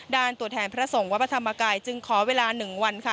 ตัวแทนพระสงฆ์วัดพระธรรมกายจึงขอเวลา๑วันค่ะ